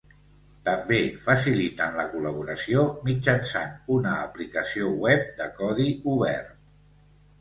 També faciliten la col·laboració mitjançant una aplicació web de codi obert.